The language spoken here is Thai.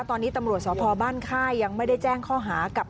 ตอนนี้ตำรวจสพบ้านค่ายยังไม่ได้แจ้งข้อหากับ